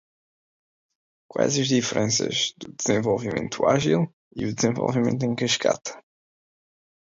Quais as diferenças do desenvolvimento ágil e o desenvolvimento em cascata?